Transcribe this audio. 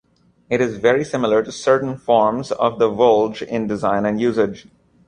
It is very similar to certain forms of the voulge in design and usage.